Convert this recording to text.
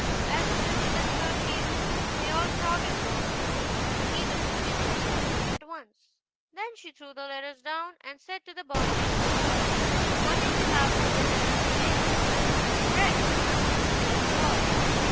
As soon as the little girl came in they all crowded around her, and were eager to begin their lessons at once. Then she threw the letters down and said to the boy next her, " What did you have for dinner to day?" "Bread," answered the little boy.